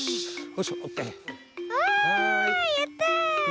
あやった！